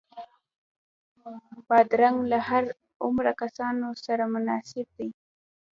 بادرنګ له هر عمره کسانو سره مناسب دی.